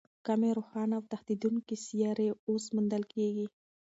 کمې روښانه او تښتېدونکې سیارې اوس موندل کېږي.